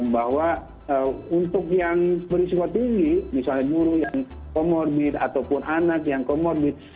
bahwa untuk yang berisiko tinggi misalnya guru yang comorbid ataupun anak yang komorbid